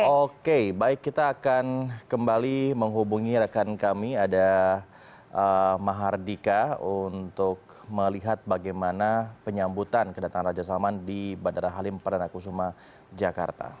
oke baik kita akan kembali menghubungi rekan kami ada mahardika untuk melihat bagaimana penyambutan kedatangan raja salman di bandara halim perdana kusuma jakarta